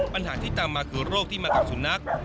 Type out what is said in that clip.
ปัญหาที่ตามมาคือโรคที่มากับสุนัข